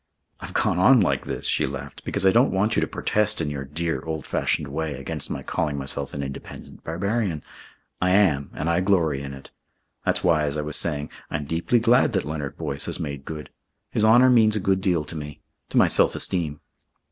I've gone on like this," she laughed, "because I don't want you to protest in your dear old fashioned way against my calling myself an independent barbarian. I am, and I glory in it. That's why, as I was saying, I'm deeply glad that Leonard Boyce has made good. His honour means a good deal to me to my self esteem.